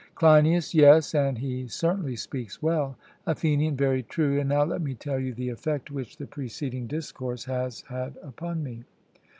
CLEINIAS: Yes; and he certainly speaks well. ATHENIAN: Very true: and now let me tell you the effect which the preceding discourse has had upon me.